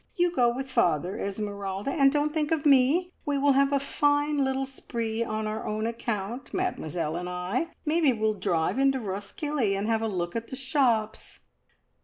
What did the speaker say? You go with father, Esmeralda, and don't think of me! We will have a fine little spree on our own account, Mademoiselle and I! Maybe we'll drive into Roskillie and have a look at the shops!"